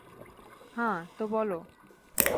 হা, তো বলো।